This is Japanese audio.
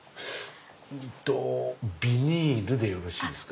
ビニールでよろしいんですか？